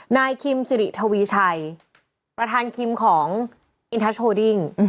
นายคิมสิริทวีชัยประธานคิมของอินทโชดิ้ง